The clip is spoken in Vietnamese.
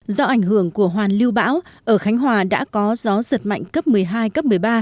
do ảnh hưởng của hoàn lưu bão ở khánh hòa đã có gió giật mạnh cấp một mươi hai cấp một mươi ba